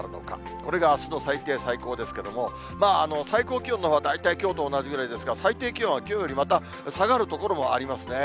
これがあすの最低、最高ですけれども、最高気温のほうは大体きょうと同じぐらいですが、最低気温はきょうよりまた下がる所もありますね。